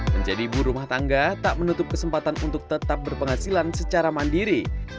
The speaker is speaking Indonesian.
menjadi ibu rumah tangga tak menutup kesempatan untuk tetap berpenghasilan secara mandiri